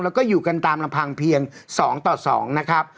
แล้วก็อยู่กันตามระพังเพียงสองต่อสองนะครับ